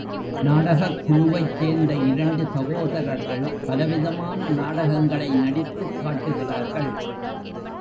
நாடகக் குழுவைச் சேர்ந்த இரண்டு சகோதரர்கள் பலவிதமான நாடகங்களை நடித்துக் காட்டுகிறார்கள்.